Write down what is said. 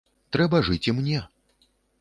Трэба жыць і мне.